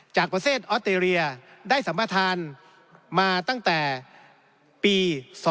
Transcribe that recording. จากประเทศออสเตรเลียได้สัมประธานมาตั้งแต่ปี๒๕๖